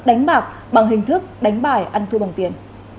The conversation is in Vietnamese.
đánh bạc bằng hình thức đánh bài ăn thua bằng tiền